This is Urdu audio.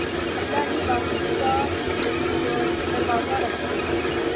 اللہ ہی واپسی کا دروازہ رکھے